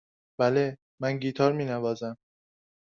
بله، من گیتار می نوازم.